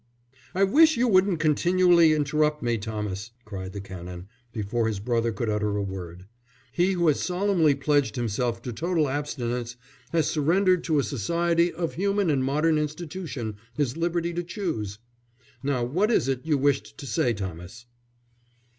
"I wish you wouldn't continually interrupt me, Thomas," cried the Canon, before his brother could utter a word. "He who has solemnly pledged himself to total abstinence has surrendered to a society of human and modern institution his liberty to choose. Now what is it you wished to say, Thomas?"